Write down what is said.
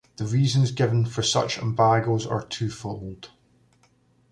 The reasons given for such embargoes are twofold.